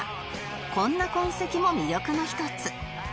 こんな痕跡も魅力の一つ